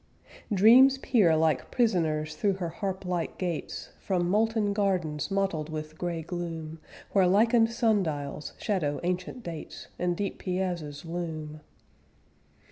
Dreams peer like prisoners through her harp like gates, From molten gardens mottled with gray gloom, Where lichened sundials shadow ancient dates, And deep piazzas loom.